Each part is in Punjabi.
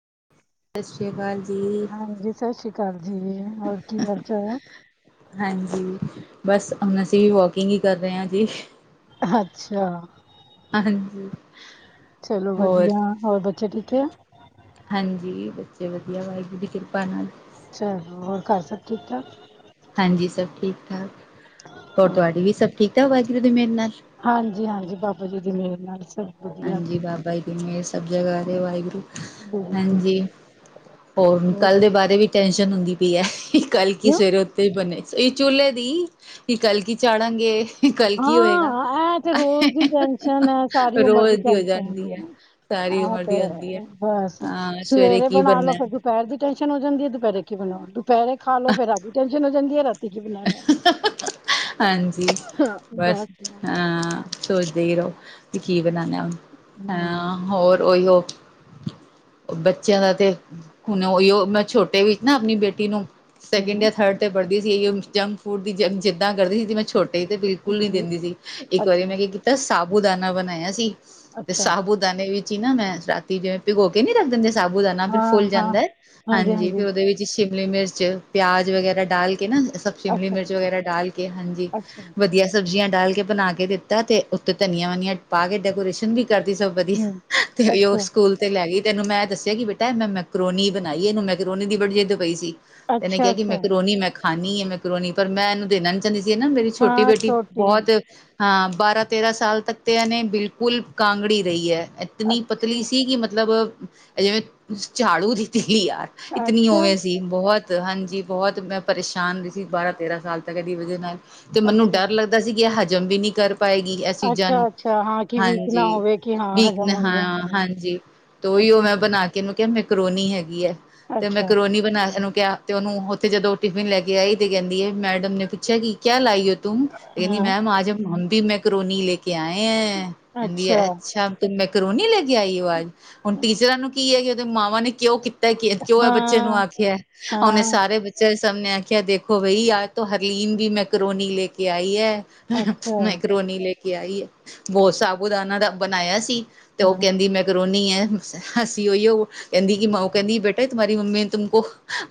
[inaudible] ਅਕਾਲ ਜੀ ਹਾਂਜੀ ਸ ਸ਼ੀ ਕਾਲ ਜੀ, ਹੋਰ ਕੀ ਹਾਲ ਚਾਲ ਹਾਂਜੀ ਬਸ ਹੁਣ, ਅਸੀਂ ਵੀ ਵਾਕਿੰਗ ਈ ਕਰ ਰਏ ਆਂ ਜੀ। ਅੱਛਾ। ਹਾਂਜੀ। ਚਲੋ ਹੋਰ ਵਧੀਆ, ਹੋਰ ਬੱਚੇ ਠੀਕ ਏ ਜੇ ਵਧੀਆ ਵਾਹਿਗੁਰੂ ਜੀ ਚਲ ਹੋਰ ਘਰ ਸਭ ਠੀਕ ਠਾਕ ਹਾਂਜੀ ਸਭ ਠੀਕ ਠਾਕ, ਹੋਰ ਠਾਕ? ਤੁਆਡੀ ਵੀ ਸਭ ਠੀਕ ਠਾਕ ਵਾਹਿਗੁਰੂ ਦੀ ਮੇਰ ਨਾਲ। ਹਾਂਜੀ ਹਾਂਜੀ, ਬਾਬਾ ਜੀ ਦੀ ਮੇਰ ਨਾਲ ਸਭ ਵਧੀਆ। ਸਬ ਜਗਾ ਹੈ ਨੇ ਵਾਹਿਗੁਰੂ। ਬਿਲਕੁਲ ਹਾਂਜੀ, ਹੋਰ ਕੱਲ ਦੇ ਬਾਰੇ ਵੀ ਟੈਂਸ਼ਨ ਹੁੰਦੀ ਪੀ ਏ। ਕਲ ਕਿ ਕਿਉਂ? ਸਵੇਰੇ ਇ ਚੁੱਲੇ ਦੀ ਕੀ ਕਲ ਕੀ ਚਾੜਾਂਗੇ? ਕੱਲ ਕੀ ਹੋਏਗਾ? ਹਾਂ, ਇਹ ਤੇ ਰੋਜ਼ ਦੀ ਟੈਨਸ਼ਨ ਰੋਜ਼ ਦੀ ਹੋ ਜਾਂਦੀ ਐ। ਆਹ ਤੇ ਬਸ ਹਾਂ ਸਵੇਰੇ ਕੀ ਬਣਾ ਬਣਨਾ ਲੋ ਫਿਰ ਦੁਪੈਰ ਦੀ ਟੈਂਸ਼ਨ ਹੋ ਜਾਂਦੀ ਹੈ, ਦੁਪੈਰੇ ਬਣਾ ਤੂ ਦੁਪੈਹਰੇ ਖਾ ਲੋ ਫੇਰ ਰਾਤ ਦੀ ਟੈਂਨਸ਼ਨ ਹੋ ਜਾਂਦੀ ਏ, ਰਾਤੀ ਕੀ ਬਣਾਣਾ ਏ। ਹਾਂਜੀ ਬਸ ਹਾਂ ਸੋਚਦੇ ਹੀ ਰਹੋ ਵੀ ਕੀ ਬਣਾਨਾ ਹੁਨ ਹਾਂ ਹੋਰ ਔਯੀਔ। ਬੱਚਯਾ ਦਾ ਤੇ ਹੁਣ ਔਯੀਔ, ਮੈਂ ਛੋਟੇ ਵੀ ਨਾ ਆਪਣੀ ਬੇਟੀ ਨੂੰ ਸੈਕਿੰਡ ਹੂੰ, ਜਾਂ ਥਰਡ ਤੇ ਪੜ੍ਹਦੀ ਸੀ, ਜੰਕ ਫੂਡ ਦੀ ਜੰ ਜਿੱਦਾਂ ਕਰਦੀ ਸੀ ਮੈਂ ਛੋਟੀ ਤੇ ਬਿਲਕੁਲ ਨੀ ਜੀ ਦਿੰਦੀ ਸੀ, ਇੱਕ ਵਾਰੀ ਅੱਛਾ। ਮੈਂ ਕੀ ਕੀਤਾ ਸਾਬੂ ਦਾਨਾ ਬਨਾਇਆ ਸੀ ਤੇ ਅੱਛਾ, ਸਾਬੂਦਾਨੇ ਵਿੱਚ ਈ ਨਾ, ਮੈਂ ਰਾਤੀ ਜਿਵੇਂ ਪਿਗੋ ਕੇ ਨੀ ਰੱਖ ਦਿੰਦੇ ਸਾਬੂਦਾਨਾ ਫਿਰ ਫੁੱਲ ਹਾਂ-ਹਾਂ, ਜਾਂਦਾ ਏ, ਹਾਂਜੀ ਹਾਂਜੀ-ਹਾਂਜੀ, ਫਿਰ ਉੱਦੇ ਵਿੱਚ ਸ਼ਿਮਲੀ ਮਿਰਚ ਪਿਆਜ ਵਗੈਰਾ ਡਾਲ ਨਾ ਸਭ ਸ਼ਿਮਲੀ ਅੱਛਾ, ਮਿਰਚ ਵਗੈਰਾ ਡਾਲ ਕੇ, ਹਾਂਜੀ ਅੱਛਾ, ਵਧੀਆ ਸਬਜ਼ੀਆਂ ਡਾਲ ਕੇ ਬਣਾ ਕੇ ਦਿੱਤਾ ਤੇ ਉੱਤੇ ਧਨੀਆ- ਵਨੀਆ ਪਾ ਕੇ ਡੈਕੋਰੇਸ਼ਨ ਵੀ - ਕਰਤੀ ਸਭ ਵਧੀ ਹੂੰ, ਤੇ ਉਹ ਅੱਛਾ, ਸਕੂਲ ਤੇ ਲੈ ਗਈ । ਤੇ ਏਹਨੂੰ ਮੈ ਦੱਸਿਆ ਕਿ ਬੇਟਾ ਮੈ ਮੈਕਰੋਨੀ ਬਣਾਈ ਐ। ਇਹਨੂੰ ਮੈਕਰੋਨੀ ਦੀ ਬੜ ਜਿਦ ਪਈ ਸੀ ਇਹਨੇ ਕਿਹਾ ਕਿ ਮੈ ਅੱਛਾ-ਅੱਛਾ, ਮਕਰੋਣੀ ਮੈ ਖਾਣੀ ਹੈ ਮੈਕਰੋਣੀ ਪਰ ਮੈ ਇਹਨੂੰ ਦੇਣਾ ਨੀ ਚਾਹੁੰਦੀ ਸੀ। ਨਾ ਮੇਰੀ ਛੋਟੀ ਹਾਂ ਬੇਟੀ ਛੋਟੀ ਹੈ, ਬਹੁਤ, ਹਾਂ ਬਾਰਾ ਤੇਰਾ ਸਾਲ ਤੱਕ ਤੇ ਇਹਨੇ ਬਿਲਕੁਲ ਕਾਂਗੜੀ ਰਹੀ ਐ। ਇਤਨੀ ਪਤਲੀ ਅੱਛਾ, ਸੀ ਕਿ ਮਤਲਬ ਜਿਵੇ ਝਾੜੂ ਦਿੱਤੀ ਦੀ ਤ- ਲੀ ਯਾਰ ਇਤਨੀ ਅੱਛਾ, ਉਵੇ ਸੀ ਬਹੁਤ, ਹਾਂਜੀ ਬਹੁਤ ਮੈ ਪਰੇਸ਼ਾਨ ਰਈ ਸੀ ਬਾਰ੍ਹਾਂ- ਤੇਰ੍ਹਾਂ ਸਾਲ ਤੱਕ ਇਹਦੀ ਵਜਹ ਨਾਲ। ਤੇ ਮੈਨੂੰ ਅੱਛਾ, ਡਰ ਲੱਗਦਾ ਸੀ ਕਿ ਇਹ ਹਜਮ ਵੀ ਨੀ ਕਰ ਪਾਏਗੀ ਇਹ ਚੀਜਾ ਨੂੰ, ਅੱਛਾ-ਅੱਛਾ, ਹਾਂ ਕਿ ਵੀਕ ਨਾ ਹਾਂਜੀ ਹੋਵੇ ਕਿ ਹਾਂ ਵੀਕ ਨ ਹਜ਼ਮ ਹੋ ਹਾ ਜਾਏ, ਹੂੰ, ਹਾਂਜੀ । ਤੇ ਉਹੀਓ ਅੱਛਾ, ਮੈ ਬਣਾ ਕੇ ਕਿਆ ਮੈਕਰੋਨੀ ਹੈਗੀ ਐ ਤੇ ਅੱਛਾ, ਮੈਕਰਰੋਨੀ ਬਣਾ ਇਹਨੂੰ ਕਿਹਾ ਤੇ ਓਹਨੂੰ ਉੱਥੇ ਜਦੋ ਟਿਫਿਨ ਲੈ ਕੇ ਆਈ ਤੇ - ਕਹਿੰਦੀ ਐ ਮੈਡਮ ਨੇ ਪੁੱਛਿਆ ਕਿ ਕਿਆ ਲਾਈ ਓ ਤੁਮ? ਕਹਿੰਦੀ ਹਾਂ, ਮੈਮ ਆਜ ਹਮ ਵੀ ਮੈਕਰੋਨੀ ਲੇਕੇ ਕੇ ਆਏ ਐ, ਕਹਿੰਦੀ ਅੱਛਾ ਤੁਮ ਮੈਕਰੋਨੀ ਲੇਕੇ ਆਈ ਓ ਆਜ। ਹੁਣ ਟੀਚਰਾ ਨੂੰ ਕੀ ਐ ਅਈਓ ਉਹਦੇ ਮਾਵਾਂ ਨੇ ਕਿਉ ਕੀਤਾ? ਪਤਾ ਕਿ ਕਿਉ ਐ ਬੱਚੇ ਨੂੰ ਹਾਂ, ਆਖਿਆ? ਉਹਨੇ ਹਾਂ, ਸਾਰੇ ਬੱਚੇਆ ਸਭ ਨੇ ਆਖਿਆ ਦੇਖੋ ਭਈ, ਆਜ ਤੋ ਹਰਲੀਨ ਵੀ ਮੈਕਰੋਨੀ ਲੇਕੇ ਆਈ ਐ। ਅੱਛਾ, ਮੈਕਰੋਨੀ ਲੇਕੇ ਆਈ, ਵੋਹ ਸਾਬੂਦਾਨਾ ਦਾ ਬਣਾਇਆ ਸੀ । ਤੇ ਉਹ ਹਾਂ, ਕਹਿੰਦੀ ਮੈਕਰੋਨੀ ਐ। ਹਸੀਓ ਓ ਕਹਿੰਦੀ ਕਿ ਮਾ ਕਹਿੰਦੀ ਬੇਟੇ ਤੁਮ੍ਹਾਰੀ ਮੰਮੀ ਨੇ ਤੁਮਕੋ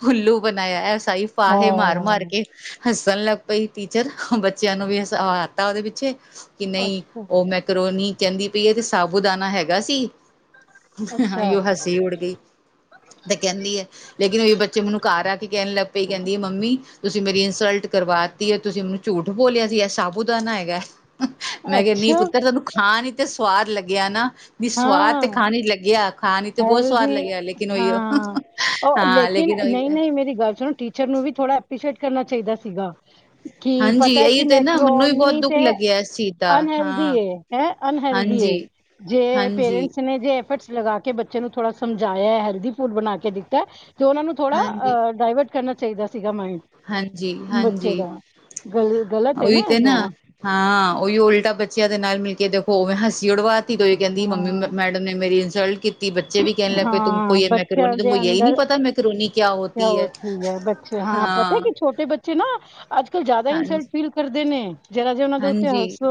ਉੱਲੂ ਬਣਾਇਆ ਐ, ਏ ਸਾਈ ਫ਼ਾਹੇ ਮਾਰ- ਮਾਰ ਹਾਂ, ਕੇ ਹੱਸਣ ਲੱਗ ਪਈ ਟੀਚਰ ਬੱਚਿਆ ਨੂੰ ਵੀ ਹਸਵਾ ਤਾ ਉਹਦੇ ਪਿੱਛੇ ਕਿ ਨਈ ਅੱਛਾ, ਉਹ ਮੈਕਰੋਨੀ ਕਹਿੰਦੀ ਪਈ ਤੇ ਸਾਬੂਦਾਨਾ ਹੈਗਾ ਸੀ । ਅੱਛਾ, ਓਈਓ ਹਸੀ ਉੜ ਗਈ ਤੇ ਕਹਿੰਦੀ ਐ ਲੇਕਿਨ ਉਹੀ ਬੱਚ ਚੇ ਮੈਨੂੰ ਘਰ ਆ ਕੇ ਕਹਿਣ ਲੱਗ ਪਈ ਕਹਿੰਦੀ ਐ ਮੰਮੀ ਤੁਸੀ ਮੇਰੀ ਇਨਸਲਟ ਕਰਵਾਤੀ ਐ । ਤੁਸੀ ਮੈਨੂੰ ਝੂਠ ਬੋਲਿਆ ਸੀ ਇਹ ਸਾਬੂਦਾਨਾ ਹੈਗਾ ਐ, ਮੈ ਕਿਆ ਨਈ ਅੱਛਾ, ਪੁੱਤਰ ਤੈਨੂੰ ਖਾਣ ਈ ਤੇ ਸਵਾਦ ਲੱਗਿਆ ਨਾ। ਵੀ ਸਵਾਦ ਹਾਂ। ਤੇ ਖਾਣ ਚ ਲੱਗਿਆ ਖਾਣ ਇਚ ਤੇ ਬਹੁਤ ਸਵਾਦ ਹੈਲਦੀ ਲੱਗਿਆ ਲੇਕਿਨ ਉਹੀ ਉਹ, ਹਾਂ ਲੇਕਿਨ ਉਹੀ ਹੈ ਨਈ-ਨਈ ਮੇਰੀ ਗੱਲ ਸੁਣੋ ਟੀਚਰ ਨੂੰ ਵੀ ਥੋੜਾ ਐਪ੍ਰਰੀਸ਼ੀਏਟ ਕਰਨਾ ਚਾਈਦਾ ਸੀਗਾ । [inaudible] ਕਿ ਪਤਾ ਐ ਇਹੀ ਕਿ ਤੇ ਨਾ ਮੈਨੂੰ ਵੀ ਬਹੁਤ ਮੈਕਰੋਨੀ ਦੁੱਖ ਤੇ ਲੱਗਿਆ ਇਸ ਚੀਜ਼ ਦਾ ਅਨਹੈਲਦੀ ਹਾਂ ਏ, ਹੈ ਅਨਹੈਲਦੀ ਏ। ਹਾਂਜੀ ਜੀ । ਤੇ ਹਾਂਜੀ ਪੇਰੈਂਟਸ ਨੇ ਜੇ ਐਫਰਟਸ ਲਗਾ ਕੇ ਬੱਚੇ ਨੂੰ ਥੋੜਾ ਸਮਝਾਇਆ, ਹੈਲਦੀ ਫੂਡ ਬਣਾ ਕੇ ਦਿੱਤਾ ਤਾ ਉਹਨਾ ਨੂੰ ਥੋੜ੍ਹਾ ਹਾਂਜੀ ਅ ਡਾਇਵਰਟ ਕਰਨਾ ਚਾਈਦਾ ਸੀ । ਹਾਂਜੀ- ਹਾਂਜੀ ਗਲ ਗਲਤ । ਹੈ ਉਹੀ ਤੇ ਨਾ ਇਦਾਂ ਹਾਂ ਉਹੀਓ ਉਲਟਾ ਬੱਚ ਚਿਆ ਦੇ ਨਾਲ ਮਿਲ ਕੇ ਦੇਖੋ ਉਵੇ ਹਸੀ ਉਡਵਾਤੀ ਤੇ ਉਹ ਇਹ ਕਹਿੰਦੀ ਮੰਮੀ ਹਾਂ ਮੈਡਮ ਨੇ ਮੇਰੀ ਇਨਸਲਟ ਕੀਤੀ ਬੱਚੇ ਵੀ ਕਹਿਣ ਲੱਗ ਪਏ ਤੁਮ ਕੋ ਹਾਂ ਯੇ ਬੱਚਿਆਂ ਮੈਕਰੋਨੀ ਤੁਮਕੋ ਦੇ ਯੇਹੀ ਨੀ ਅੰਦਰ ਪਤਾ ਮੈਕਰੋਨੀ ਕਿਆ ਹੋਤੀ ਹੈ? ਹਾਂ ਪਤਾ ਕਿ ਛੋਟੇ ਬੱਚੇ ਨਾ ਅੱਜ-ਕੱਲ ਜਿਆਦਾ ਹਾਂਜੀ ਇਨਸਲਟ ਫੀਲ ਕਰਦੇ ਨੇ। ਜਰਾ ਜੇ ਉਹਨਾਂ ਦੇ ਉੱਤੇ ਹਾਂਜੀ, ਹੱਸੋ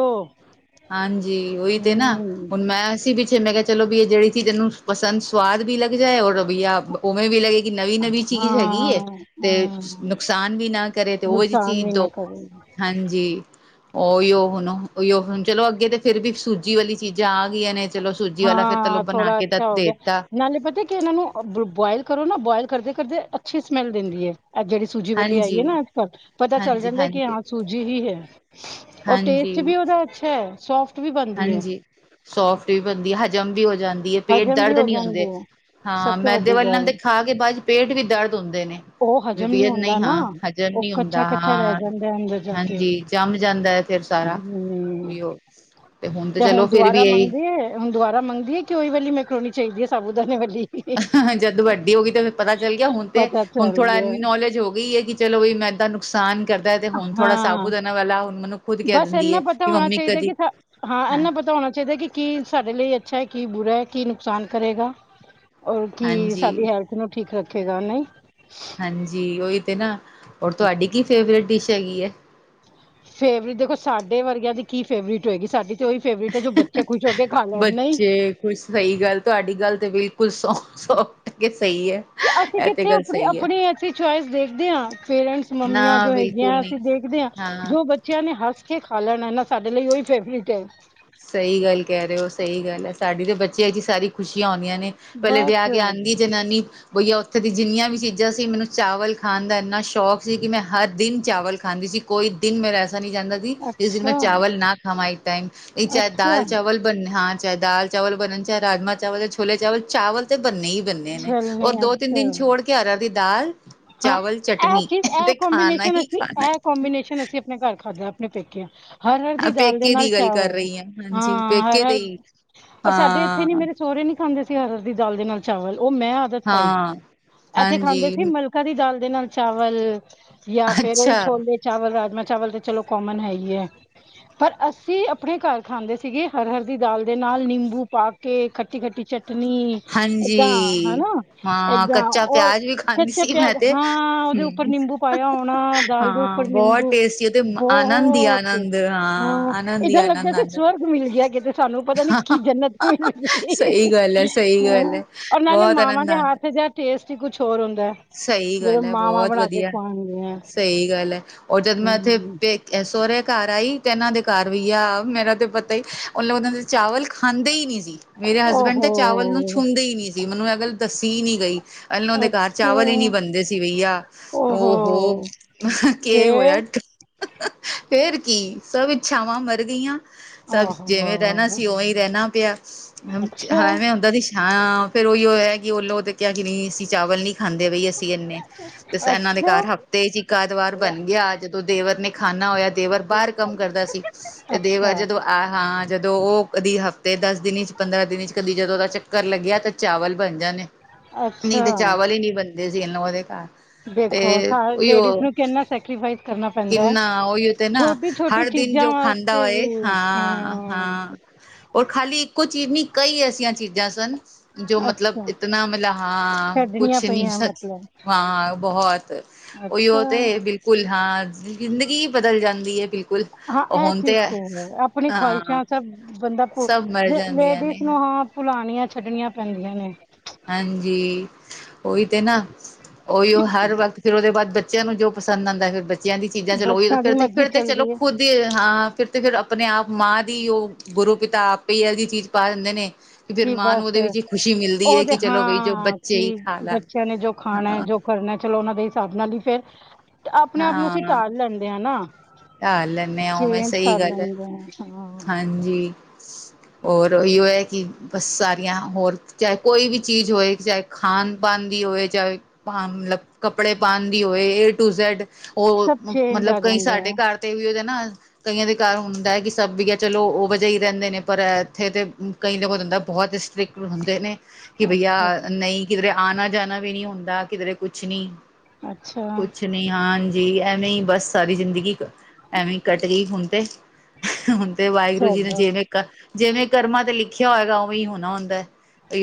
ਹਾਂਜੀ ਉਹੀ ਤੇ ਨਾ ਹਮ ਹੁਣ ਮੈ ਅਸੀ ਵੀ ਮੈ ਕਿਆ ਚਲੋ ਵੀ ਇਹ ਜਿਹੜੀ ਚੀਜ ਇਹਨੂੰ ਪਸੰਦ ਸਵਾਦ ਵੀ ਲੱਗ ਜਾਏ ਔਰ ਵੀਆ ਉਵੇ ਵੀ ਲੱਗੇ ਨਵੀ-ਨਵੀ ਚੀਜ ਹਾਂ ਹੈਗੀ ਏ ਤੇ ਹਾਂ ਨੁਕਸਾਨ ਵੀ ਨਾ ਕਰੇ ਤੇ ਉਹ ਜਿਹੀ ਨੁਕਸਾਨ ਵੀ ਚੀਜ ਨਾ ਦੋ। ਕਰੇ ਹਾਂਜੀ, ਓਹੀਓ। ਉਹੁਣੋ ਓਈਓ ਹੁਣ ਚਲੋ ਅੱਗੇ ਤੇ ਫੇਰ ਵੀ ਸੂਜੀ ਵਾਲੀ ਚੀਜਾ ਆ ਗਈਆ ਨੇ । ਹਾਂ ਥੋੜ੍ਹਾ ਅੱਛਾ ਹੋ ਗਿਆ ਦੇਤਾ ਨਾਲੇ ਪਤਾ ਕਿ ਇਹਨਾ ਨੂੰ ਬੁਆਇਲ ਕਰੋ ਨਾ ਬੋਇਲ ਕਰਦੇ-ਕਰਦੇ ਅੱਛੀ ਸਮੈਲ ਦਿੰਦੀ ਐ। ਇਹ ਜਿਹੜੀ ਸੂਜੀ ਵਾਲੀ ਆਈ ਹਾਂਜੀ ਏ ਨਾ ਅੱਜ-ਕੱਲ ਪਤਾ ਚੱਲ ਹਾਂਜੀ ਜਾਂਦਾ ਐ ਕਿ ਹਾਂਜੀ ਹਾਂ ਸੂਜੀ‌ ਹੀ ਹੈ ਔਰ ਟੇਸਟ ਹਾਂਜੀ ਵੀ ਉਹਦਾ ਅੱਛਾ ਐ। ਸੋਫ ਹਾਂਜੀ ਸੋਫਟ ਵੀ ਬਣਦੀ, ਹਜਮ ਵੀ ਹੋ ਜਾਂਦੀ ਐ, ਪੇਟ ਹਜ਼ਮ ਵੀ ਦਰਦ ਹੋ ਨੀ ਜਾਂਦੀ ਹੁੰਦੇ। ਹੈ ਸਭ ਹਾਂ, ਤੋਂ ਮੈਦੇ ਵੱਡੀ ਵਲ ਨਾਲ ਗੱਲ ਤੇ ਖਾ ਕੇ ਬਾਦ ਚ ਪੇਟ ਵੀ ਦਰਦ ਹੁੰਦੇ ਨੇ, ਉਹ ਵੀ ਹਜ਼ਮ ਵੀ ਹੁੰਦਾ ਨਹੀਂ ਨਾ ਹਾਂ ਹਜਰ ਉਹ ਨੀ ਕੱਚਾ ਹੁੰਦਾ ਕੱਚਾ ਹਾਂ ਰਹਿ ਜਾਂਦਾ ਅੰਦਰ ਜਾ ਕੇ ਹਾਂਜੀ ਜੰਮ ਜਾਂਦੈ ਫੇਰ ਸਾਰਾ ਹਮ ਓਈਓ। ਤੇ ਹੁਣ ਦੁਬਾਰਾ ਮੰਗਦੀਏ, ਹੁਣ ਦੁਬਾਰਾ ਮੰਗਦੀਏ ਕਿ ਓਈ ਵਾਲੀ ਮੈਕਰੋਣੀ ਚਾਈਦੀ ਏ ਸਾਬੂਦਾਨੇ ਵਾਲੀ। ਅਹਹ ਜਦ ਵੱਡੀ ਹੋ ਗੀ ਤੇ ਫੇ ਪਤਾ ਚੱਲ ਗਿਆ ਹੁਣ ਤੇ ਪਤਾ ਹੁਣ ਚੱਲ ਥੋੜਾ ਗਿਆ ਏਨੀ ਨੌਲੇਜ ਹੋ ਗਈ ਏ ਕਿ ਚਲੋ ਵਈ ਮੈਂ ਐਦਾ ਨੁਕਸਾਨ ਕਰਦਾ ਐ ਤੇ ਹੁਣ ਥੋੜਾ ਹਾਂ ਸਾਬੂਦਾਨ ਵਾਲਾ ਹੁਣ ਮੈਨੂੰ ਖੁਦ ਕੈ ਬਸ ਦਿੰਦੀ ਇੰਨਾ ਏ ਕਿ ਮੰਮੀ ਕਦੀ ਹਾਂ। ਤੋਣਾ ਚਾਈਦੈ ਕਿ ਕੀ ਸਾਡੇ ਲਈ ਅੱਛਾ ਐ, ਕੀ ਬੁਰਾ ਐ। ਕੀ ਨੁਕਸਾਨ ਕਰੇਗਾ ਓਰ ਕੀ ਹਾਂਜੀ ਸਾਡੀ ਹੈਲਥ ਨੂੰ ਠੀਕ ਰੱਖੇਗਾ ਨਈ। ਹਾਂਜੀ। ਓਹੀ ਤੇ ਨਾ, ਹੋਰ ਤੁਹਾਡੀ ਕੀ ਫੇਵਰੇਟ ਡਿਸ਼ ਹੈਗੀ ਏ? ਫੇਵਰੇਟ ਦੇਖੋ ਸਾਡੇ ਵਰਗਿਆਂ, ਦੀ ਕੀ ਫੇਵਰੇਟ ਹੋਏਗੀ। ਸਾਡੀ ਤੇ, ਔਹੀ ਫੇਵਰੇਟ ਹੈ। ਜੋ ਬੱਚੇ ਖੁਸ਼ ਹੋ, ਕੇ ਖਾ ਲੈਂਣ, ਨਈਂ। ਬੱਚੇ ਕੁਛ ਸਹੀ ਗੱਲ ਤੁਹਾਡੀ ਗੱਲ ਤੇ ਬਿਲਕੁਲ ਸੌ ਸੌ ਟਕੇ ਸਹੀ ਹੈ ਅ, ਅਸੀਂ ਇਹ ਤੇ ਕਿੱਥੇ, ਗੱਲ ਅਪਣੀ। ਸਹੀ ਹੈ ਅਪਣੀ, ਅਸੀਂ ਚੋਇਸ ਦੇਖਦੇ ਆਂ। ਪੇਰੈਂਟਸ, ਮੰਮੀਆਂ ਨਾ ਜੋ ਹੈਗੀਆਂ ਬਿਲਕੁਲ ਨਹੀਂ ਅਸੀਂ ਦੇਖਦੇ ਆਂ। ਹਾਂ ਜੋ ਬੱਚਿਆਂ ਨੇ ਹੱਸ ਕੇ ਖਾਲੈਣਾ ਨਾ, ਸਾਡੇ ਲਈ, ਔ ਹੀ ਫੈਵਰਿਟ ਐ। ਸਹੀ ਗੱਲ ਕਹਿ ਰਹੇ ਹੋ ਸਹੀ ਗੱਲ ਹੈ, ਸਾਡੀ ਤੇ ਬੱਚਿਆ ਚ ਹੀ, ਸਾਰੀ ਖੁਸ਼ੀਆਂ ਔਣ ਨੀਆ ਨੇ, ਪੈਲੇ ਵਿਆ ਬਸ ਕੇ ਆੰਦੀ ਏ ਜਨਾਨੀ, ਬਈ ਐ ਔਥੇ ਦੀ ਜਿੰਨੀਆਂ ਵੀ। ਚੀਜ਼ਾਂ ਸੀ। ਮੈਨੂੰ ਚਾਵਲ ਖਾਣ ਦਾ ਇੰਨਾ ਸ਼ੌਕ ਸੀ, ਕਿ ਮੈਂ, ਹਰ ਦਿਨ ਚਾਵਲ ਖਾਂਦੀ ਸੀ। ਕੋਈ ਦਿਨ ਮੇਰਾ ਐਸ। ਸਰੀ ਜਾਂਦਾ ਸੀ। ਜਿਸ ਦਿਨ ਮੈਂ, ਅੱਛਾ ਚਾਵਲ ਨਾ ਖਾਵਾਂ ਇੱਕ ਟਾਈਮ। ਇ ਚਾਏ ਅੱਛਾ ਦਾਲ ਚਾਵਲ ਬਣਨੇ ਹਾਂ। ਚਾਏ ਦਾਲ ਚਾਵਲ ਬਣਨ, ਚਾਏ ਰਾਜਮਾ ਚਾਵਲ ਯਾ ਛੋਲੇ ਚਾਵਲ, ਚਾਵਲ ਤੇ ਬੰਨੇ ਹੀ ਬੰਨਣੇ ਨੇ। ਚੱਲਣੇ ਔਰ ਦੋ, ਤਿੰਨ ਦਿਨ ਅੱਛਾ ਛੋੜ ਕੇ ਹਰਰ ਦੀ ਦਾਲ ਹਾਂ, ਚਾਵਲ ਐ ਚਟਨੀ ਚੀਜ਼ ਐ ਤੇ ਖਾਣਾ ਕੋੰਬੀਨੇਸ਼ਨ ਹੀ ਅਸੀਂ, ਐ ਖਾਣਾ ਕੋਂਬੀਨੇਸ਼ਨ ਅਸੀ ਅਪਣੇ ਘਰ ਖਾਧਾ। ਅਪਣੇ ਪੇਕਿਆ, ਹਰਹਰ ਦੀ ਦਾਲ ਦੇ ਪੇਕੇ ਨਾਲ ਦੀ ਗੱਲ ਕਰ ਚਾਵਲ। ਰਹੀ ਹਾਂ ਹਾਂਜੀ ਹਾਂ, ਪੇਕੇ ਤੇ ਹਰਹਰ ਹੀ ਔਰ ਸਾਡੇ ਐਥੇ, ਹਾਂ ਨੀ ਮੇਰੇ ਸੋਹਰੇ ਨੀ, ਖਾਂਦੇ ਸੀ ਹਰਹਰ ਦੀ ਦਾਲ ਦੇ ਨਾਲ। ਓਹ ਮੈਂ, ਆਦਤ ਪਾਈ। ਹਾਂ, ਐਥੇ ਖਾਂਦੇ ਸੀ ਹਾਂਜੀ, ਮਲ ਕਦੀ ਦਾਲ ਦੇ ਨਾਲ ਚਾਵਲ ਯਾ ਫੇਰ ਓਹੀ, ਅੱਛਾ, ਛੋਲੇ ਚਾਵਲ, ਰਾਜਮਾ। ਚਾਵਲ ਤੇ ਚਲੋ ਕੋਮਨ ਹੈ, ਈ ਐ। ਪਰ ਅਸੀਂ ਆਪਣੇ ਘਰ ਖਾਂਦੇ ਸੀਗੇ। ਹਰਹਰ ਦੀ ਦਾਲ ਦੇ ਨਾਲ ਨਾਲ ਨਿੰਬੂ ਪਾ ਕੇ ਖੱਟੀ- ਖੱਟੀ ਚਟ ਟਨੀ, ਏਦਾਂ ਹਾਂਜੀ। ਹਨਾ, ਹਾਂ, ਏਦਾਂ ਕੱਚਾ ਔਰ ਪਿਆਜ ਵੀ ਫੇਰ ਖਾਂਦੀ ਕੱਚਾ ਸੀ ਪਿਆਜ ਮੈਂ ਤੇ, ਹਾਂ ਔਦੇ ਉੱਪਰ ਹੂੰ। ਨਿੰਬੂ ਪਾਇਆ ਹੋਣਾ। ਦਾਲ ਦੇ ਹਾਂ, ਉੱਪਰ ਬਹੁਤ ਨਿੰਬੂ ਟੇਸਟੀ ਤੇ ਆਨੰਦ ਹੀ ਬਹੌ ਔਤੇ, ਆਨੰਦ, ਹਾਂ। ਆਨੰਦ ਹੀ ਏਦਾਂ ਲੱਗਦਾ ਆਨੰਦ ਸੀ ਆਂਦਾ। ਸਵਰਗ ਮਿਲ ਗਿਆ, ਕਿਤੇ। ਸਾਨੂੰ ਪਤਾ ਨੀ, ਕੀ ਜੰਨਤ ਮਿਲ ਸਈ ਗੱਲ ਐ ਸਈ। ਹੂੰ, ਔਰ ਨਾਲੇ, ਮਾਵਾਂ ਦੇ ਹੱਥ ਜੇਹਾ, ਟੇਸਟ ਹੀ ਕੁਛ ਹੋਰ ਹੁੰਦਾ ਏ। ਸਹੀ ਜੇਵੇ, ਗੱਲ ਐ, ਮਾਵਾਂ ਬਹੁਤ ਬਣਾ ਕੇ ਵਧੀਆ। ਖਵਾਣਗੇ। ਸਹੀ ਗੱਲ ਹੈ, ਔਰ ਜਦ ਮੈਂ ਐਥੇੇ ਪੇ, ਸੋਰੇ ਘਰ ਆਈ ਤੇ, ਐਨਾਂ ਦੇ ਘਰ ਵਈਆ। ਮੇਰਾ ਤੇ ਪਤਾ ਈ ਔਥੇ, ਓਨਾਂ ਦੇ ਚਾਵਲ ਖਾਂਦੇ ਹੀ ਨੀ। ਮੇਰੇ ਹਸਬੈਂਡ ਤੇ, ਚਾਵਲ ਨੂੰ, ਓਹੋ ਛੂੰਦੇ ਹੀ ਨੀ ਸੀ, ਮੈਨੂੰ ਐਹ, ਗੱਲ ਦੱਸੀ ਨੀ ਗਈ। ਅਣਾਲੋ ਦੇ ਘਰ ਅੱਛਾ ਚਾਵਲ ਹੀ, ਨੀ ਬਣਦੇ ਸੀ, ਬਈਆ, ਓਹ ਹੋ। ਓਹੋ ਕੇ ਹੋਯਾ ਫੇਰ ਫੇਰ, ਕੀ ਸਭ ਇੱਛਾਵਾਂ, ਮਰ ਗਈਆਂ। ਸਭ ਜਿਵੇਂ ਰੈਣਾ ਓਹੋ ਸੀ। ਓਵੇਂ ਹੀ ਰੈਣਾ ਪਿਆ। ਹੂੰ ਅੱਛਾ ਐਵੇਂ ਹੂੰਦਾ ਸੀ ਹਾਂ, ਫੇਰ ਓਹੀਓ ਹੋਯਾ, ਕਿ ਔਲੋ ਤੇ, ਕਿਆ ਕਿ ਨਹੀਂ ਅਸੀ। ਚਾਵਲ ਨੀ ਖਾਂਦੇ ਬਈ ਅਸੀਂ ਇੰਨੇ। ਤੇ ਏਨਾਂ ਦੇ ਅੱਛਾ ਘਰ ਹਫ਼ਤੇ ਚ ਇੱਕ, ਆਧ ਵਾਰ ਬਣ ਗਿਆ। ਜਦੋਂ । ਰ ਨੇ ਖਾਨਾ ਹੋਇਆ ਦੇਵਰ ਬਾਰ ਕੰਮ ਕਰਦਾ ਸੀ। ਤੇ ਦੇਵਰ ਅੱਛਾ ਜਦੋਂ ਆ ਹਾਂ ਜਦੋਂ ਓਹ ਕਦੀ ਹਫ਼ਤੇ, ਦਸ ਦਿਨੀ ਚ ਪੰਦਰਾਂ ਦਿਨ ਚ ਕਦੀ ਜਦੋਂ ਔਦਾ ਚੱਕਰ ਲੱਗਿਆ ਤਾਂ ਚਾਵਲ ਬਣ ਜਾਂਣੇ, ਨੀ ਅੱਛਾ ਤੇ ਚਾਵਲ ਹੀ, ਨੀ ਬਣਦੇ ਸੀ ਇਨਲੋ ਦੇ ਘੱਰ। ਤੇ ਦੇਖੋ ਔਈਔ ਲੇਡੀਜ਼ ਨੂੰ ਕਿੰਨਾ ਸੈਕਰੀਫਾਈਸ ਕਰਨਾ ਪੈਂਦਾ ਹੈ ਕਿੰਨਾ ਔਈਔ ਤੇ ਨਾ ਛੋਟੀ ਛੋਟੀ ਹੜ ਦਿਨ ਚੀਜ਼ਾਂ ਜੋ ਖਾਂਦਾ ਵਾਸਤੇ ਵੀ ਹੋਏ, ਹਾਂ, ਹਾਂ। ਔਰ ਖਾਲੀ ਇਕੋ ਚੀਨੀ, ਕਈ ਐਸੀਆਂ ਚੀਜ਼ਾਂ ਸਨ। ਜੋ ਮਤਲਬ, ਅੱਛਾ ਇਤਨਾ ਮਲਬ ਹਾਂ ਛੱਡਣੀਆਂ ਕੁਛ ਨੀ ਪਈਆਂ ਸ ਮਤਲਬ ਹਾਂ, ਬਹੁਤ ਓਹੀਓ ਅੱਛਾ ਤੇ ਬਿਲਕੁਲ ਹਾਂ। ਜ਼ਿੰਦਗੀ, ਹੀ ਬਦਲ ਜਾਂਦੀ ਏ ਬਿਲ ਬਿਲਕੁਲ ਹਾਂ ਇਹ ਹੁਣ ਚੀਜ਼ ਤੇ, ਹੈ ਆਪਣੀ ਹਾਂ। ਖਵਾਹਿਸ਼ਾਂ ਸਭ ਬੰਦਾ ਸਭ ਮਰ ਜਾਂਦੀਆਂ ਨੇ। ਪੁਰਾਣੀਆਂ, ਛੱਡਣੀਆਂ ਪੈਂਦੀਆਂ ਨੇ। ਹਾਂਜੀ। ਉਹੀ ਤੇ ਨਾ, ਉਹੀ ਉਹ ਹਰ ਵਕਤ ਫੇਰ ਉਹਦੇ ਬਾਅਦ। ਬੱਚਿਆਂ ਨੂੰ ਜੋ ਪਸੰਦ ਆਉਂਦਾ। ਫੇਰ ਬੱਚਿਆਂ ਦੀ ਚੀਜ਼ਾਂ, ਚਲੋ ਉਹੀ ਬੱਚਿਆਂ ਦੀ ਫੇਰ, ਮਰਜ਼ੀ ਫੇਰ ਤੇ ਚਲੋ ਚੱਲਦੀ ਹੈ ਖੁੱਦ ਹਾਂ। ਫੇਰ ਤੇ ਫੇਰ ਆਪਣੇ ਆਪ ਮਾਂ ਦੀ, ਉਹ ਗੁਰੂ ਪਿਤਾ ਆਪੇ ਇਹਦੀ ਚੀਜ਼ ਪਾ ਦਿੰਦੇ ਨੇ। ਤੇ ਫੇਰ ਕਿ ਮਾਂ, ਨੂੰ ਬਸ ਉਹਦੇ ਵਿੱਚ ਹੀ ਖੁਸ਼ੀ ਮਿਲਦੀ ਹੈ। ਉਹਦੇ ਕਿ ਚਲੋ ਬਈ ਜੋ ਹਾਂ। ਬੱਚੇ ਹੀ ਕਿ ਖਾ ਲੈਣ ਬੱਚਿਆਂ ਨੇ ਜੋ ਖਾਣਾ, ਹਾਂ ਜੋ ਕਰਨਾ, ਚਲੋ ਉਹਨਾ ਦੇ ਹਿਸਾਬ ਨਾਲ ਹੀ ਫੇਰ। ਤੇ ਆਪਣੇ ਆਪ ਨੂੰ ਅਸੀਂ ਹਾਂ ਢਾਲ ਲੈਂਦੇ ਹਾਂ ਨਾ। ਢਾਲ ਲੈਣੇ ਆ ਉਵੇੈਂ ਚੇਂਜ ਸਹੀ ਕਰ ਗੱਲ ਹੈ ਲੈਂਦੇ ਹਾਂ ਹਾਂ ਹਾਂਜੀ। ਹੋਰ ਉਹੀ ਹੈ ਕਿ ਬਸ ਸਾਰੀਆਂ ਹੋਰ ਚਾਹੇ ਕੋਈ ਵੀ ਚੀਜ਼ ਹੋਵੇ ਚਾਹੇ ਖਾਣ ਪਾਨ ਦੀ। ਦੀ ਹੋਏ ਚਾਹੇ ਮਤਲਬ ਕੱਪੜੇ ਪਾਉਣ ਦੀ ਹੋਵੇ ਏ ਟੂ ਜੈਡ। ਸਭ ਉਹ ਚੇਂਜ ਮਤਲਬ ਆ ਕਈ ਜਾਂਦਾ ਸਾਡੇ ਹੈ ਘਰ ਤੇ ਵੀ ਉਹਦੇ ਨਾ ਕਈਆਂ ਦੇ ਘਰ ਹੁੰਦਾ ਕਿਸ। ਸਭ ਦੀਆਂ ਚਲੋ ਉਹ ਵਜਾ ਹੀ ਰਹਿੰਦੇ ਨੇ ਪਰ ਇੱਥੇ ਤਾਂ ਕਈ ਲੋਕ ਹੁੰਦਾ ਬਹੁਤ। ਸਿੱਖ ਹੁੰਦੇ ਨੇ ਕਿ ਬਈਆ ਅੱਛਾ ਨਹੀਂ ਕਿਧਰੇ ਆਉਣਾ ਜਾਣਾ ਵੀ ਨਹੀਂ ਹੁੰਦਾ ਕਿਧਰੇ ਕੁਛ ਨਹੀਂ। ਅੱਛਾ ਕੁਛ ਨੀ ਹਾਂਜੀ ਐਵੇਂ ਹੀ ਬਸ ਸਾਰੀ ਜ਼ਿੰਦਗੀ। ਐਵੀਂ ਕੱਟ ਗਈ ਹੁਣ ਤੇ। ਹੁਣ ਤੇ ਵਾਹਿਗੁਰੂ ਜੀ ਨੇ ਚਲੋ ਜਿਵੇਂ ਜਿਵੇਂ ਕਰਮਾਂ ਤੇ ਲਿਖਿਆ ਹੋਏਗਾ ਉਵੇਂ ਹੀ ਹੋਣਾ ਹੁੰਦਾ ਹੈ।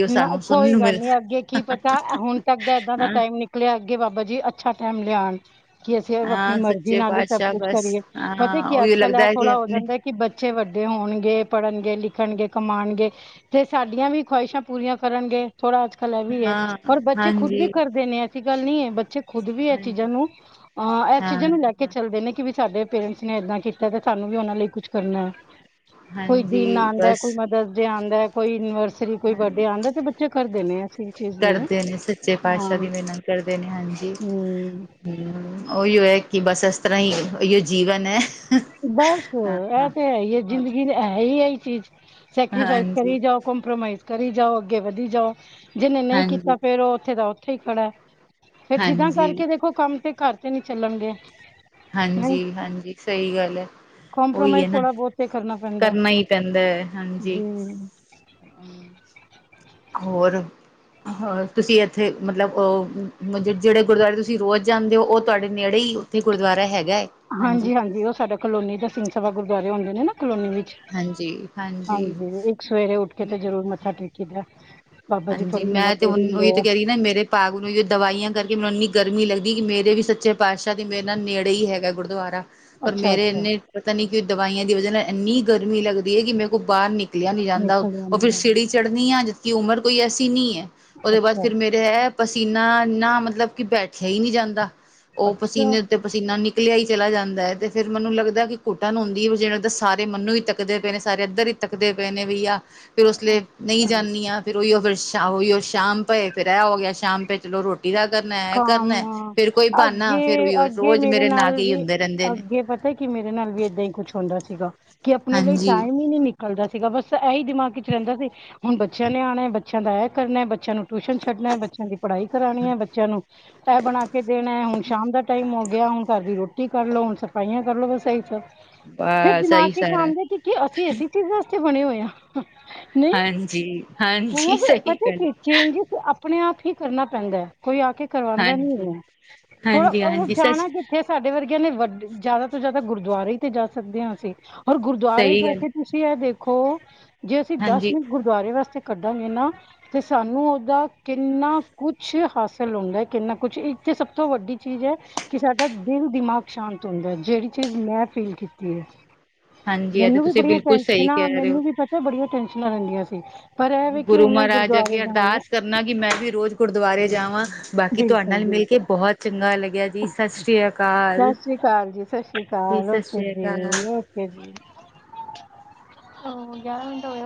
ਨਾ ਕੋਈ ਗੱਲ ਨੀ ਅੱਗੇ ਕੀ ਪਤਾ ਹੁਣ ਤੱਕ ਦਾ ਏਦਾਂ ਦਾ ਹਾਂ ਟਾਈਮ ਨਿਕਲਿਆ ਅੱਗੇ । ਬਾਬਾ ਜੀ ਅੱਛਾ ਟਾਈਮ ਲਿਆਉਣ। ਕਿ ਅਸੀਂ ਆਪਣੀ ਹਾਂ ਮਰਜ਼ੀ ਸੱਚੇ ਨਾਲ ਹੀ ਸਭ ਪਾਤਸ਼ਾਹ ਕੁੱਛ ਬਸ ਕਰੀਏ। ਪਤਾ ਹਾਂ ਕੀ ਆ ਅੱਜ ਉਹੀਓ ਕੱਲ੍ਹ ਲੱਗਦਾ ਇਹ ਹੈ ਕਿ ਥੋੜ੍ਹਾ ਹੋ ਆਪਣੇ ਜਾਂਦਾ ਕਿ ਬੱਚੇ ਵੱਡੇ। ਵੱਡੇ ਹੋਣਗੇ ਪੜ੍ਹਨਗੇ, ਲਿਖਣਗੇ, ਕਮਾਉਣਗੇ ਤੇ ਸਾਡੀਆਂ ਵੀ ਖਵਾਹਿਸ਼ਾਂ ਪੂਰੀਆਂ ਕਰਨਗੇ। ਥੋੜਾ ਅੱਜ ਕੱਲ੍ਹ ਇਹ ਵੀ ਹੈ ਹਾਂ ਪਰ ਬੱਚੇ ਖੁਦ ਹਾਂਜੀ ਵੀ ਕਰਦੇ ਨੇ ਐਸੀ ਗੱਲ ਨਹੀਂ ਹੈ ਬੱਚੇ। ਖੁਦ ਵੀ ਇਹ ਚੀਜ਼ਾਂ ਹਾਂਜੀ ਨੂੰ ਅਹ ਇਸ ਹਾਂ ਚੀਜ਼ਾਂ ਨੂੰ ਲੈ ਕੇ ਚੱਲਦੇ ਨੇ ਕਿ ਵੀ ਸਾਡੇ ਪੇਰੈਂਟਸ। ਨੇ ਏਦਾਂ ਕੀਤਾ ਤੇ ਸਾਨੂੰ ਵੀ ਉਹਨਾਂ ਲਈ ਕੁੱਝ ਕਰਨਾ ਹੈ। ਕੋਈ ਦਿਨ ਹਾਂਜੀ ਆਉਂਦਾ, ਕੋਈ ਬਸ ਮਦਰਸ ਡੇ ਆਉਂਦਾ, ਕੋਈ ਐਨੀਵਰਸਰੀ। ਕੋਈ ਹਾਂਜੀ ਬਰਡੇ ਆਂਦਾ ਤੇ ਬੱਚੇ ਕਰਦੇ ਨੇ ਐਸੀ ਹਾਂਜੀ ਚੀਜ਼ ਨਹੀਂ ਹੈ ਕਰਦੇ ਨੇ ਸੱਚੇ ਪਾਤਸ਼ਾਹ ਹਾਂ ਦੀ ਮਿਹਨਤ ਕਰਦੇ ਨੇ ਹਾਂਜੀ। ਹਮ ਹੂੰ ਉਹੀਓ ਹੈ ਕਿ ਬਸ ਇਸ ਤਰ੍ਹਾਂ ਹੀ ਉਹੀ ਜੀਵਨ ਹੈ। ਬਸ ਹਾਂ ਹਾਂ ਇਹ ਤੇ ਹੈ ਹੀ ਹੈ ਹਾਂ ਜ਼ਿੰਦਗੀ 'ਚ ਹੈ ਹੀ ਆ ਚੀਜ਼। ਸੈਕ੍ਰਰੀਫਾਈਸ ਹਾਂਜੀ, ਕਰੀ ਜਾਓ, ਕਪ੍ਰੋਮਾਈਜ਼ ਕਰੀ ਜਾਓ, ਅੱਗੇ ਵਧੀ ਜਾਓ। ਜਿਹਨੇ ਨਹੀਂ ਕੀਤਾ ਹਾਂਜੀ, ਫੇਰ ਉਹ ਉੱਥੇ ਦਾ ਉੱਥੇ ਹੀ ਖੜਾ ਫੇਰ ਜਿੱਦਾਂ ਹਾਂਜੀ, ਕਰਕੇ ਦੇਖੋ ਕੰਮ ਤੇ? ਘਰ ਤੇ ਨਹੀਂ ਚੱਲਣਗੇ। ਨਹੀਂ ਹਾਂਜੀ- ਹਾਂਜੀ, ਸਹੀ ਗੱਲ ਹੈ। ਉਹੀ ਹੈ ਕੰਪਰੋਮਾਈਜ਼ ਨਾ ਥੋੜਾ ਬਹੁਤ ਤੇ ਪੈਂਦਾ ਹੈ। ਕਰਨਾ ਹੀ ਪੈਂਦਾ ਹੈ ਹਾਂਜੀ। ਜੀ ਹਾਂਜੀ। ਹੋਰ ਹਾ ਤੁਸੀਂ ਇੱਥੇ ਮਤਲਬ ਅ ਜਿਹੜੇ ਗੁਰਦੁਆਰੇ ਤੁਸੀਂ? ਤੁਸੀਂ ਰੋਜ਼ ਜਾਂਦੇ ਹੋ ਉਹ ਤੁਹਾਡੇ ਨੇੜੇ ਹੀ ਉੱਥੇ ਗੁਰਦੁਆਰਾ ਹੈਗਾ। ਹਾਂਜੀ ਹਾਂਜੀ ਉਹ ਸਾਡਾ ਕਲੋਨੀ ਦਾ ਸਿੰਘ ਸਭਾ ਗੁਰਦੁਆਰੇ ਹੁੰਦੇ ਨੇ ਨਾ। ਕਲੋਨੀ ਵਿੱਚ ਹਾਂਜੀ ਇੱਕ ਸਵੇਰੇ ਉੱਠ ਕੇ ਤੇ ਜਰੂਰ ਮੱਥਾ ਟੇਕੀ ਦਾ। ਹਾਂਜੀ ਮੈਂ ਤੇ ਹੁਣ ਉਹੀ ਤੇ ਕਹਿ ਰਹੀ ਨਾ ਮੇਰੇ ਵਾਂਗ ਨੂੰ ਦਵਾਈਆਂ ਕਰਕੇ ਮੈਨੂੰ ਇੰਨੀ। ਗਰਮੀ ਲੱਗਦੀ ਹੈ। ਕਿ ਮੇਰੇ ਵੀ ਸੱਚੇ ਪਾਤਸ਼ਾਹ ਦੀ ਮੇਹਰ ਨਾਲ ਨੇੜੇ ਹੀ ਹੈਗਾ ਗੁਰਦੁਆਰਾ। ਪਰ ਅੱਛਾ ਮੇਰੇ ਅੱਛਾ ਇੰਨੇ ਪਤਾ ਨੀ ਕਿ ਦਵਾਈਆਂ ਦੀ ਵਜ੍ਹਾ ਨਾਲ ਇੰਨੀ ਗਰਮੀ ਲਗਦੀ ਹੈ। ਕਿ ਮੇਰੇ ਕੋਲ ਬਾਹਰ ਨਿਕਲ। ਨਿਕਲਿਆ ਨਹੀਂ ਜਾਂਦਾ ਨਿਕਲ ਉਹ ਫਿਰ ਜਾਣਗੇ ਸਿੜੀ ਚੜ੍ਹਨੀ ਆ ਜਿਸ ਕਿ ਉਮਰ ਕੋਈ ਐਸੀ ਨਹੀਂ ਹੈ। ਉਹਦੇ ਬਾਅਦ ਅੱਛਾ ਫੇਰ ਮੇਰੇ ਹੈ ਪਸੀਨਾ ਇੰਨਾ ਮਤਲਬ ਕਿ ਬੈਠਿਆ ਹੀ ਨਹੀਂ ਜਾਂਦਾ ਹੈ। ਉਹ ਅੱਛਾ ਪਸੀਨੇ ਉੱਤੇ ਪਸੀਨਾ । ਨਿਕਲਿਆ ਹੀ ਚਲਾ ਜਾਂਦਾ ਹੈ ਤੇ ਫੇਰ ਮੈਨੂੰ ਲੱਗਦਾ ਕਿ ਘੁੱਟਣ ਹੁੰਦੀ ਹੈ ਵੀ ਜਿਹੜਾ ਦਾ ਸਾਰੇ ਮੰਨੂ। ਤੱਕਦੇ ਪਏ ਨੇ ਸਾਰੇ ਇੱਧਰ ਹੀ ਤੱਕਦੇ ਪਏ ਨੇ ਬਈਆ ਫੇਰ ਉਸਲੇ ਨਹੀਂ ਅੱਛਾ ਜਾਣੀ ਆ ਫੇਰ ਉਹੀ ਅਗਰ। ਅੱਛਾ ਉਹੀ ਉਹ ਸ਼ਾਮ ਪਏ ਫੇਰ ਆ ਹੋ ਗਿਆ ਸ਼ਾਮ ਪਏ ਚਲੋ ਰੋਟੀ। ਰੋਟੀ ਦਾ ਕਰਨਾ ਇਹ ਕਰਨਾ ਕੰਮ ਫੇਰ ਕੋਈ ਬਹਾਨਾ ਅੱਗੇ ਫਿਰ ਉਹੀ ਅੱਗੇ ਰੋਜ਼ ਮੇਰੇ ਨਾਗੇ ਹੀ ਹੁੰਦੇ ਰਹਿੰਦੇ ਨੇ। ਫਿਰ ਕਿ ਮੇਰੇ ਨਾਲ ਵੀ ਏਦਾਂ ਹੀ ਕੁੱਛ ਹੁੰਦਾ ਸੀਗਾ ਕਿ ਆਪਣੇ ਲਈ ਹਾਂਜੀ ਟਾਈਮ ਹੀ ਨਹੀਂ ਨਿਕਲਦਾ ਸੀਗਾ ਬਸ। ਤਾਂ ਇਹੀ ਦਿਮਾਗ 'ਚ ਰਹਿੰਦਾ ਸੀ ਹੁਣ ਬੱਚਿਆਂ ਨੇ ਆਉਣਾ, ਬੱਚਿਆਂ ਦਾ ਇਹ ਕਰਨਾ, ਬੱਚਿਆਂ ਨੂੰ ਟਿਊਸ਼ਨ ਛੱਡਣਾ ਬੱਚਿਆਂ ਦੀ ਪੜ੍ਹਾਈ। ਨਹੀਂ ਕਰਾਣੀ ਆ ਬੱਚੇ। ਬੱਚਿਆਂ ਨੂੰ ਇਹ ਬਣਾਂ ਕੇ ਦੇਣਾਂ ਹੈਂ। ਹੁਣ ਸ਼ਾਮ ਦਾ ਟਾਇਮ ਹੋ ਗਿਆਂ ।ਹੁਣ ਘਰ ਦੀ ਰੋਟੀ ਕਰਲੋ। ਹੁਣ ਸਫ਼ਾਈਆਂ ਕਰਲੋ। ਸਹੀ ਚੱਲ। ਫ਼ਿਰ ਬਸ ਦਿਮਾਗ ਸਹੀ ਦੀ ਸਾਰਾ ਸ਼ਾਨਤੀ ਕਿ ਕੀ ਅਸੀਂ ਇਸੇ ਚੀਜ਼ ਵਾਸਤੇ ਬਣੇਂ ਹੋਏ ਹਾਂ। ਨਹੀਂ। ਹਾਂਜੀ ਹਾਂਜੀ ਸਹੀ ਪਤਾਂ ਗੱਲ ਕੀ ਚੇਂਜਿਸ। ਆਪਣੇਂ ਆਪ ਹੀ ਕਰਨਾਂ ਪੈਂਦਾਂ ਹੈਂ ।ਕੋਈ ਕੇ ਕਰਵਾਉਂਦਾ ਨੀਂ ਹਾਂਜੀ ਹੈਗਾ। ਥੋੜਾਂ ਹਾਂਜੀ ਉਹ ਹਾਂਜੀ ਸੱਚ ਜਾਣਾਂ ਕਿੱਥੇ ਸਾਡੇ ਵਰਗਿਆਂ ਨੇਂ ਵੱਡੇ ਜ਼ਿਆਦਾ ਤੋਂ ਜ਼ਿਆਦਾ ਗੁਰਦੁਆਰੇ ਤੇ ਜਾਂ ਸਕਦੇ ਹਾਂ ।ਅਸੀਂ ਔਰ ਗੁਰਦੁਆਰੇ ਸਹੀ ਤੋਂ ਹੋ ਗੱਲ ਕੇ ਤੁਸੀਂ ਇਹ ਦੇਖੋਂ। ਖੋਅ ਜੇ ਅਸੀਂ ਦਸ ਹਾਂਜੀ ਮਿੰਟ ਗੁਰਦੁਆਰੇ ਵਾਸਤੇ। ਕੱਢਾਂਗੇ ਨਾ ਤੇ ਸਾਂਨੂੰ ਉਹਦਾ ਕਿੰਨਾਂ ਕੁੱਛ ਹਾਸਲ। ਹਾਸਲ ਹੁੰਦਾਂ । ਕਿੰਨਾਂ ਕੁੱਛ ਇੱਥੇ ਸਭ ਤੋਂ ਵੱਡੀ ਚੀਜ਼ ਹੈਂ ।ਕਿ ਸਾਡਾ ਦਿਲ ਦਿਮਾਗ਼ ਸ਼ਾਂਤ ਹੁੰਦਾਂ ਹੈਂ ।ਜਿਹੜੀ ਚੀਜ਼ ਮੈਂ ਫੀਲ ਕੀਤੀ ਹੈਂ। ਹਾਂਜੀ ਇਹ ਤੇ ਮੈਂਨੂੰ ਵੀ ਤੁਸੀਂ ਬੜੀਆਂ ਬਿਲਕੁਲ ਸਹੀ ਟੈਨਸ਼ਨਾਂ। ਕਹਿ ਰਹੇ ਹੋ ਮੈਂਨੂੰ ਵੀ ਪਤਾਂ ਬੜੀਆਂ ਟੈਨਸ਼ਨਾਂ ਰਹਿੰਦੀਆਂ ਸੀ। ਪਰ ਇਹ ਵੇ ਕਿ ਗੁਰੂ ਹੁਣ ਮੈਂ ਮਹਾਂਰਾਜ ਅੱਗੇ ਗੁਰਦੁਆਰੇ ਜਾਂਦੀ ਹਾਂ ਅਰਦਾਸ ਕਰਨਾਂ। ਕਿ ਮੈਂ ਵੀ ਰੋਜ਼ ਗੁਰੂਦੁਆਰ ਜਾਵਾਂ। ਬਾਂਕੀ ਤੁਹਾਡੇ ਬਿਲਕੁਲ ਨਾਲ਼ ਮਿਲ਼ ਕੇ ਬਿਲਕੁਲ ਬਹੁਤ ਚੰਗ਼ਾ ਲੱਗਾ। ਲੱਗਿਆਂ ਜੀ। ਸਤਿ ਸ਼੍ਰੀ ਅਕਾਲ ਸਤਿ ਸ਼੍ਰੀ ਅਕਾਲ ਸਤਿ ਸ਼੍ਰੀ ਜੀ। ਅਕਾਲ ਸਤਿ ਓਕੇ ਸ਼੍ਰੀ ਅਕਾਲ। ਜੀ [inaudible] ਹੂੰ ਗਿਆਰਾਂ ਮਿੰਟ ਹੋਏ।